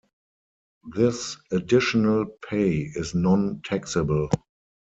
This additional pay is non-taxable.